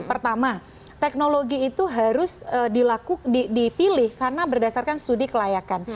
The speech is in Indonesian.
pertama teknologi itu harus dipilih karena berdasarkan studi kelayakan